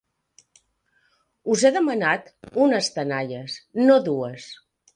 Us he demanat unes tenalles, no dues.